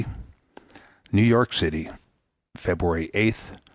B. NEW YORK CITY, February 8, 1921.